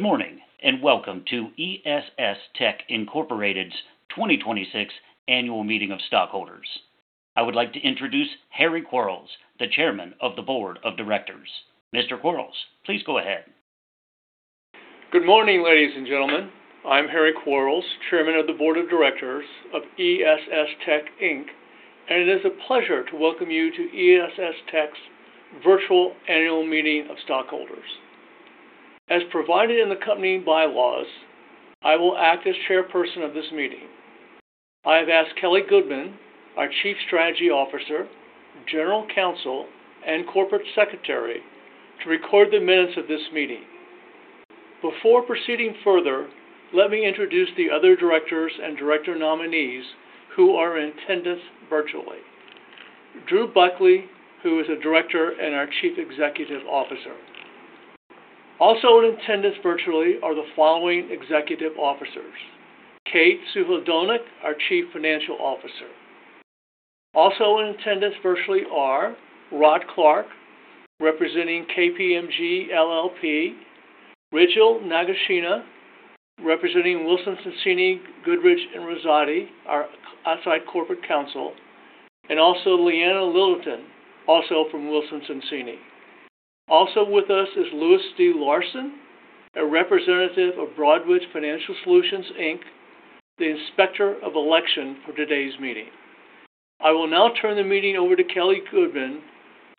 Good morning, and welcome to ESS Tech, Inc.'s 2026 annual meeting of stockholders. I would like to introduce Harry Quarls, the chairman of the Board of Directors. Mr. Quarls, please go ahead. Good morning, ladies and gentlemen. I'm Harry Quarls, Chairman of the Board of Directors of ESS Tech, Inc., and it is a pleasure to welcome you to ESS Tech's virtual annual meeting of stockholders. As provided in the company bylaws, I will act as chairperson of this meeting. I have asked Kelly Goodman, our Chief Strategy Officer, General Counsel, and Corporate Secretary, to record the minutes of this meeting. Before proceeding further, let me introduce the other directors and director nominees who are in attendance virtually. Drew Buckley, who is a director and our Chief Executive Officer. Also in attendance virtually are the following executive officers. Kate Suhadolnik, our Chief Financial Officer. Also in attendance virtually are Rod Clark, representing KPMG LLP, Rachel Nagashima, representing Wilson Sonsini Goodrich & Rosati, our outside corporate counsel, and also Leanna Littleton, also from Wilson Sonsini. Also with us is Louis D. Larson, a representative of Broadridge Financial Solutions, Inc., the Inspector of Election for today's meeting. I will now turn the meeting over to Kelly Goodman,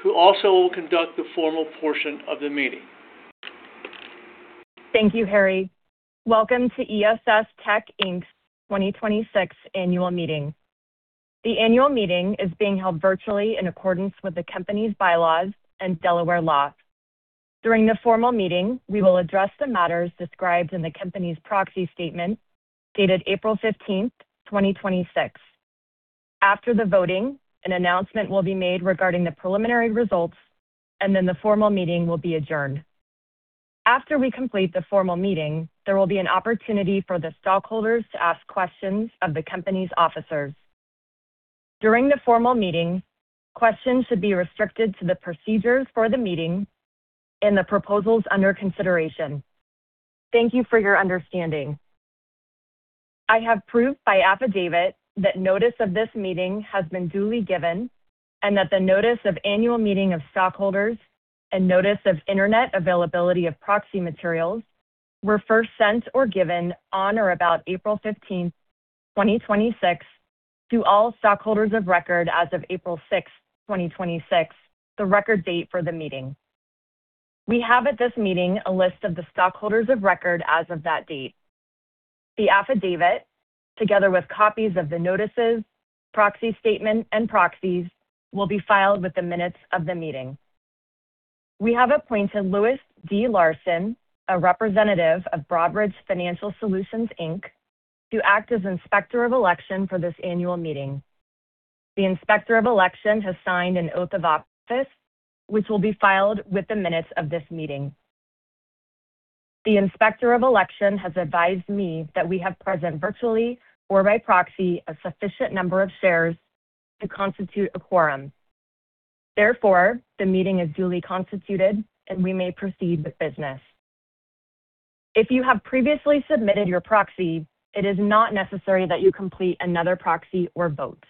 who also will conduct the formal portion of the meeting. Thank you, Harry. Welcome to ESS Tech, Inc.'s 2026 annual meeting. The annual meeting is being held virtually in accordance with the company's by-laws and Delaware law. During the formal meeting, we will address the matters described in the company's proxy statement, dated April 15th, 2026. After the voting, an announcement will be made regarding the preliminary results, and then the formal meeting will be adjourned. After we complete the formal meeting, there will be an opportunity for the stockholders to ask questions of the company's officers. During the formal meeting, questions should be restricted to the procedures for the meeting and the proposals under consideration. Thank you for your understanding. I have proof by affidavit that notice of this meeting has been duly given and that the notice of annual meeting of stockholders and notice of internet availability of proxy materials were first sent or given on or about April 15th, 2026, to all stockholders of record as of April 6th, 2026, the record date for the meeting. We have at this meeting a list of the stockholders of record as of that date. The affidavit, together with copies of the notices, proxy statement, and proxies, will be filed with the minutes of the meeting. We have appointed Louis D. Larson, a representative of Broadridge Financial Solutions, Inc., to act as Inspector of Election for this annual meeting. The Inspector of Election has signed an oath of office, which will be filed with the minutes of this meeting. The Inspector of Election has advised me that we have present virtually or by proxy a sufficient number of shares to constitute a quorum. Therefore, the meeting is duly constituted, and we may proceed with business. If you have previously submitted your proxy, it is not necessary that you complete another proxy or vote.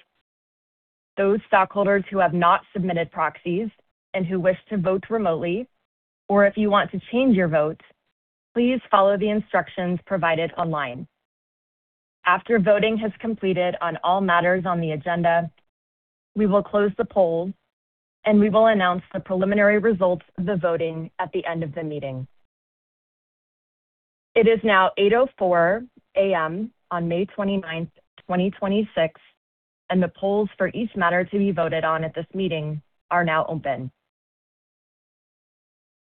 Those stockholders who have not submitted proxies and who wish to vote remotely, or if you want to change your vote, please follow the instructions provided online. After voting has completed on all matters on the agenda, we will close the polls, and we will announce the preliminary results of the voting at the end of the meeting. It is now 8:04 A.M. on May 29th, 2026, and the polls for each matter to be voted on at this meeting are now open.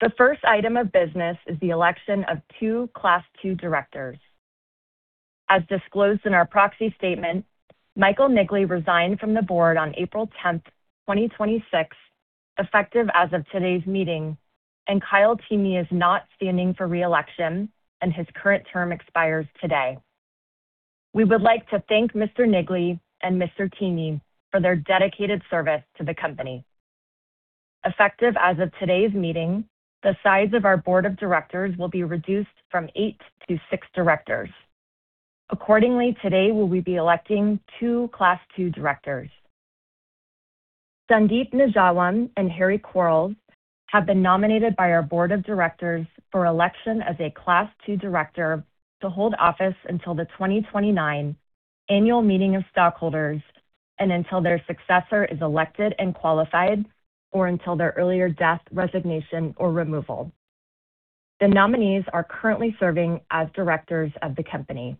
The first item of business is the election of two Class II directors. As disclosed in our proxy statement, Michael Niggli resigned from the board on April 10th, 2026, effective as of today's meeting, and Kyle Teamey is not standing for re-election, and his current term expires today. We would like to thank Mr. Niggli and Mr. Teamey for their dedicated service to the company. Effective as of today's meeting, the size of our board of directors will be reduced from eight to six directors. Accordingly, today will we be electing two Class II directors. Sandeep Nijhawan and Harry Quarls have been nominated by our board of directors for election as a Class II director to hold office until the 2029 annual meeting of stockholders and until their successor is elected and qualified, or until their earlier death, resignation, or removal. The nominees are currently serving as directors of the company.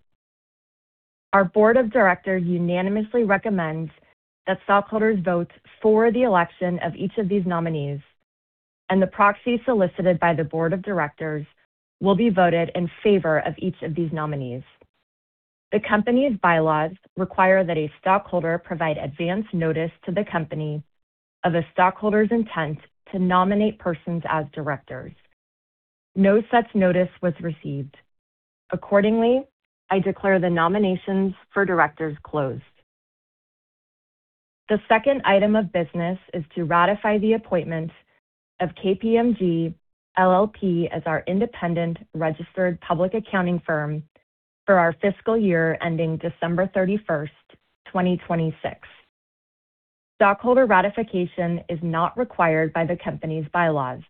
Our board of directors unanimously recommends that stockholders vote for the election of each of these nominees, and the proxy solicited by the board of directors will be voted in favor of each of these nominees. The company's bylaws require that a stockholder provide advance notice to the company of a stockholder's intent to nominate persons as directors. No such notice was received. Accordingly, I declare the nominations for directors closed. The second item of business is to ratify the appointment of KPMG LLP as our independent registered public accounting firm for our fiscal year ending December 31, 2026. Stockholder ratification is not required by the company's bylaws.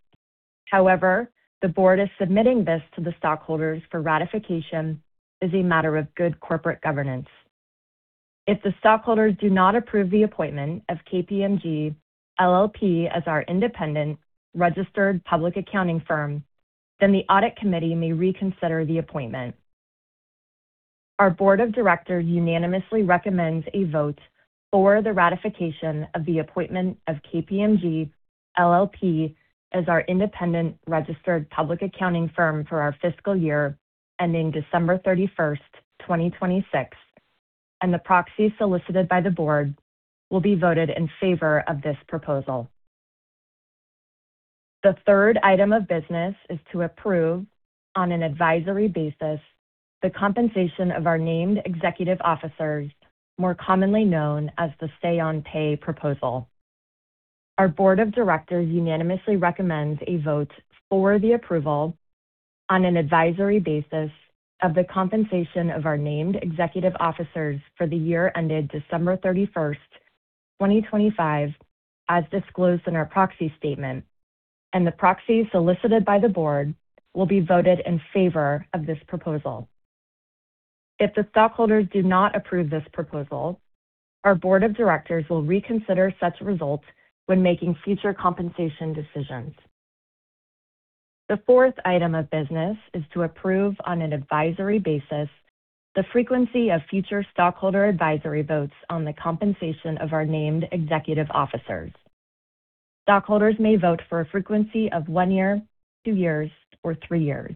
However, the board is submitting this to the stockholders for ratification as a matter of good corporate governance. If the stockholders do not approve the appointment of KPMG LLP as our independent registered public accounting firm, the audit committee may reconsider the appointment. Our board of directors unanimously recommends a vote for the ratification of the appointment of KPMG LLP as our independent registered public accounting firm for our fiscal year ending December 31st, 2026. The proxy solicited by the board will be voted in favor of this proposal. The third item of business is to approve, on an advisory basis, the compensation of our named executive officers, more commonly known as the say-on-pay proposal. Our board of directors unanimously recommends a vote for the approval on an advisory basis of the compensation of our named executive officers for the year ended December 31st, 2025, as disclosed in our proxy statement. The proxy solicited by the board will be voted in favor of this proposal. If the stockholders do not approve this proposal, our board of directors will reconsider such results when making future compensation decisions. The fourth item of business is to approve on an advisory basis the frequency of future stockholder advisory votes on the compensation of our named executive officers. Stockholders may vote for a frequency of one year, two years, or three years.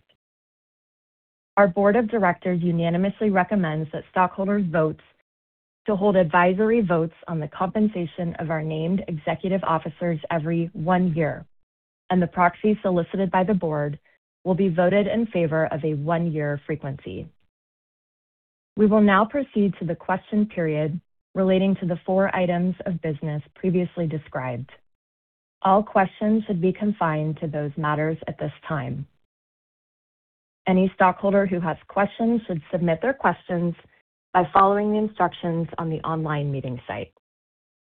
Our board of directors unanimously recommends that stockholders vote to hold advisory votes on the compensation of our named executive officers every one year, and the proxy solicited by the board will be voted in favor of a one-year frequency. We will now proceed to the question period relating to the four items of business previously described. All questions should be confined to those matters at this time. Any stockholder who has questions should submit their questions by following the instructions on the online meeting site.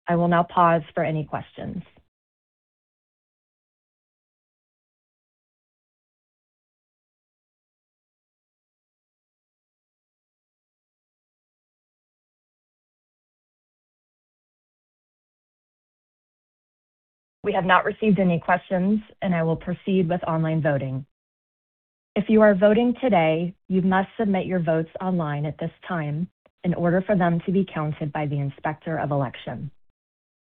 I will now pause for any questions. We have not received any questions, and I will proceed with online voting. If you are voting today, you must submit your votes online at this time in order for them to be counted by the Inspector of Election.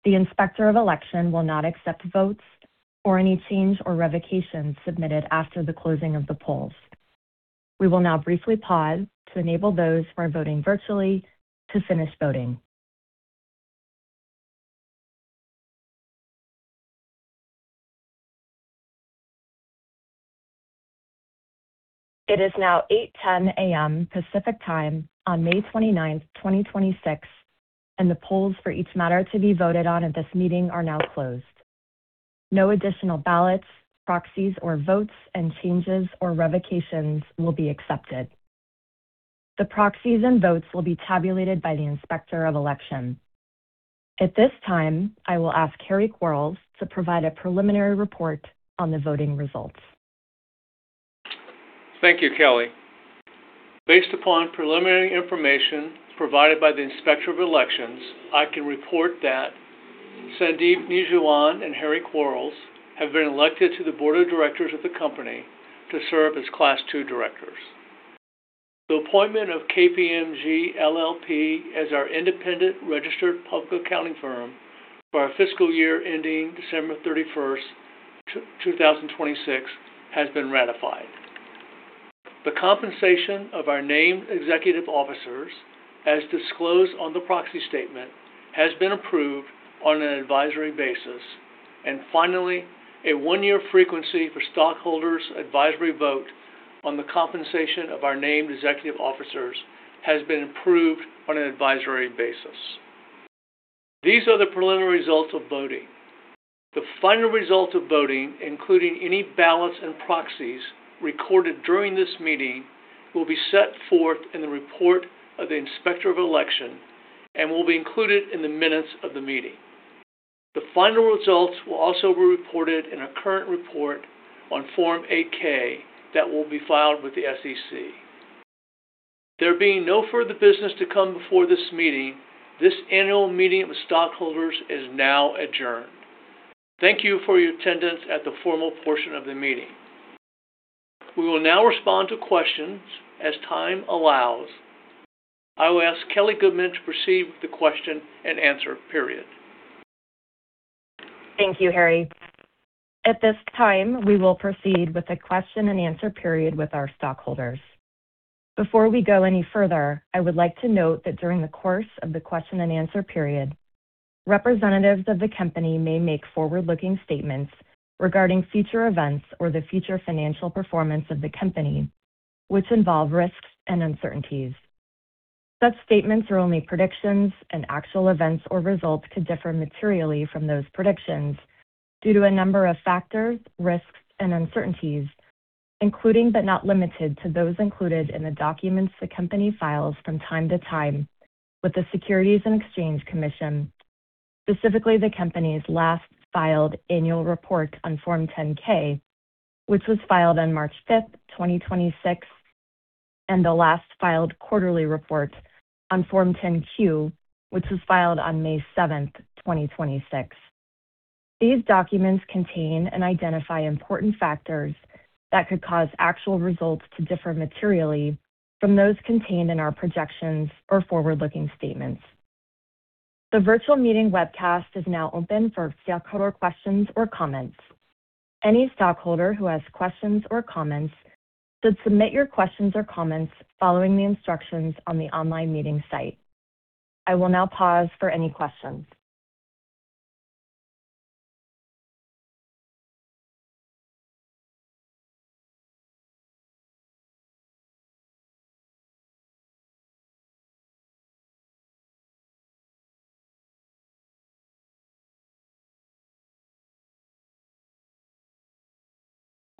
The Inspector of Election will not accept votes or any change or revocation submitted after the closing of the polls. We will now briefly pause to enable those who are voting virtually to finish voting. It is now 8:10 A.M. Pacific Time on May 29th, 2026, and the polls for each matter to be voted on at this meeting are now closed. No additional ballots, proxies, or votes and changes or revocations will be accepted. The proxies and votes will be tabulated by the Inspector of Election. At this time, I will ask Harry Quarls to provide a preliminary report on the voting results. Thank you, Kelly. Based upon preliminary information provided by the Inspector of Elections, I can report that Sandeep Nijhawan and Harry Quarls have been elected to the board of directors of the company to serve as Class II directors. The appointment of KPMG LLP as our independent registered public accounting firm for our fiscal year ending December 31st, 2026, has been ratified. The compensation of our named executive officers, as disclosed on the proxy statement, has been approved on an advisory basis. Finally, a one-year frequency for stockholders' advisory vote on the compensation of our named executive officers has been approved on an advisory basis. These are the preliminary results of voting. The final result of voting, including any ballots and proxies recorded during this meeting, will be set forth in the report of the Inspector of Election and will be included in the minutes of the meeting. The final results will also be reported in a current report on Form 8-K that will be filed with the SEC. There being no further business to come before this meeting, this annual meeting of stockholders is now adjourned. Thank you for your attendance at the formal portion of the meeting. We will now respond to questions as time allows. I will ask Kelly Goodman to proceed with the question and answer period. Thank you, Harry. At this time, we will proceed with a question and answer period with our stockholders. Before we go any further, I would like to note that during the course of the question and answer period, representatives of the company may make forward-looking statements regarding future events or the future financial performance of the company which involve risks and uncertainties. Such statements are only predictions, and actual events or results could differ materially from those predictions due to a number of factors, risks, and uncertainties, including but not limited to those included in the documents the company files from time to time with the Securities and Exchange Commission, specifically the company's last filed annual report on Form 10-K, which was filed on March 5th, 2026, and the last filed quarterly report on Form 10-Q, which was filed on May 7th, 2026. These documents contain and identify important factors that could cause actual results to differ materially from those contained in our projections or forward-looking statements. The virtual meeting webcast is now open for stockholder questions or comments. Any stockholder who has questions or comments should submit your questions or comments following the instructions on the online meeting site. I will now pause for any questions.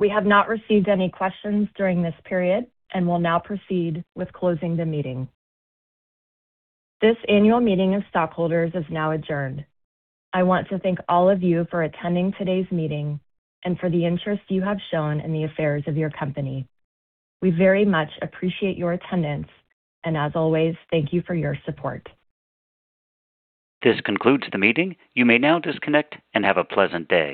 We have not received any questions during this period and will now proceed with closing the meeting. This annual meeting of stockholders is now adjourned. I want to thank all of you for attending today's meeting and for the interest you have shown in the affairs of your company. We very much appreciate your attendance, and as always, thank you for your support. This concludes the meeting. You may now disconnect and have a pleasant day.